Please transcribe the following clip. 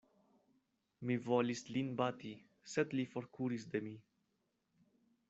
Mi volis lin bati, sed li forkuris de mi.